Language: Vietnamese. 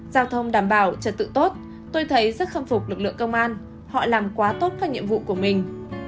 giao thông đảm bảo trật tự tốt tôi thấy rất khâm phục lực lượng công an họ làm quá tốt các nhiệm vụ của mình